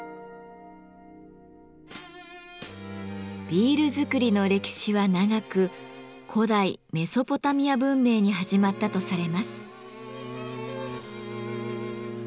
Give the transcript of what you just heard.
ビールづくりの歴史は長く古代メソポタミア文明に始まったとされます。